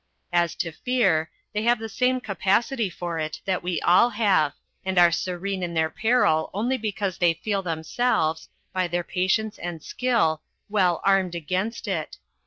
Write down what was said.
As to fear, they have the same capacity for it that we all have, and are serene in their peril only because they feel themselves, by their patience and skill, well armed against it.